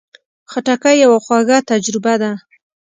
خټکی یوه خواږه تجربه ده.